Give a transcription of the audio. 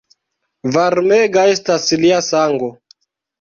Varmega estas lia sango!